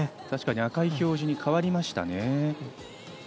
確かに赤い表示に変わりましたね。